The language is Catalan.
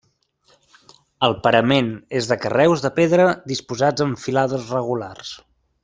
El parament és de carreus de pedra disposats en filades regulars.